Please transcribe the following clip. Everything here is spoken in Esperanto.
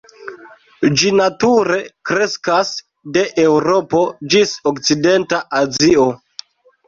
Ĝi nature kreskas de Eŭropo ĝis okcidenta Azio.